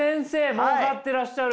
もうかってらっしゃる！